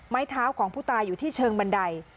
ไม้เท้าของผู้ตายอยู่ที่เชิงบันได